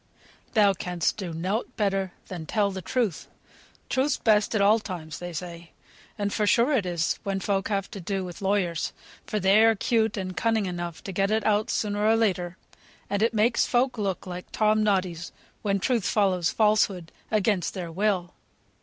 ] "Thou canst do nought better than tell the truth. Truth's best at all times, they say; and for sure it is when folk have to do with lawyers; for they're 'cute and cunning enough to get it out sooner or later, and it makes folk look like Tom Noddies, when truth follows falsehood, against their will."